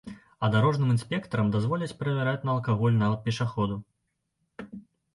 А дарожным інспектарам дазволяць правяраць на алкаголь нават пешаходаў.